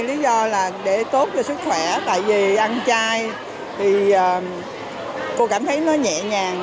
lý do là để tốt cho sức khỏe tại vì ăn chay thì cô cảm thấy nó nhẹ nhàng